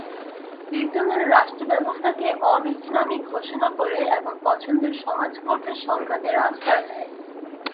বিদ্যমান রাষ্ট্রব্যবস্থাকে অনৈসলামিক ঘোষণা করে এবং পছন্দের সমাজ গড়তে সংঘাতের আশ্রয় নেয়।